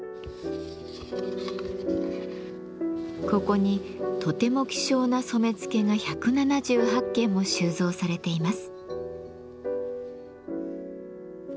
ここにとても希少な染付が１７８件も収蔵されています。